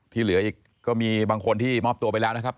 เหลืออีกก็มีบางคนที่มอบตัวไปแล้วนะครับ